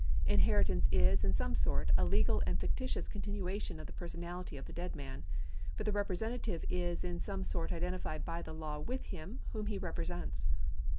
Inheritance is in some sort a legal and fictitious continuation of the personality of the dead man, for the representative is in some sort identified by the law with him whom he represents.